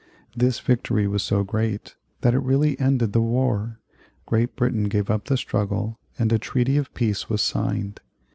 This victory was so great that it really ended the war. Great Britain gave up the struggle, and a treaty of peace was signed.